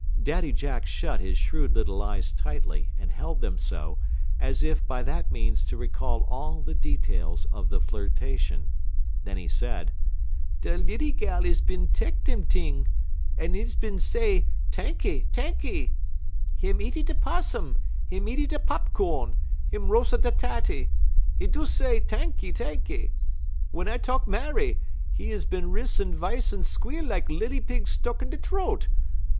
Daddy Jack shut his shrewd little eyes tightly and held them so, as if by that means to recall all the details of the flirtation. Then he said: "Da' lilly gal is bin tek dem t'ing. 'E is bin say, 'T'anky, t'anky.' Him eaty da' 'possum, him eaty da' pop co'n, him roas'n da' taty. 'E do say, 'T'anky, t'anky!' Wun I talk marry, 'e is bin ris 'e v'ice un squeal lak lilly pig stuck in 'e t'roat.